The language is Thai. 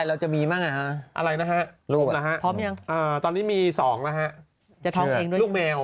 ว่าเราจะมีมั่งอะไรนะคะรู้นะคะตอนนี้มี๒นะคะจะลองดูแมว